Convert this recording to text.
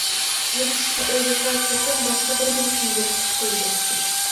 ئېرىشىشنى ئويلىسا چوقۇم باشقا بىر نەرسىنى يوقىتىپ قويىدۇ.